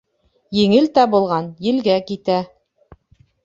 Еңел табылған елгә китә.